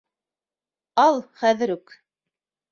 Ал хәҙер үк!